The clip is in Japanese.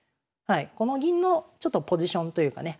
この銀のちょっとポジションというかね